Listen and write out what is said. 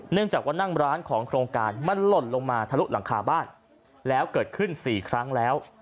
จากว่านั่งร้านของโครงการมันหล่นลงมาทะลุหลังคาบ้านแล้วเกิดขึ้น๔ครั้งแล้ว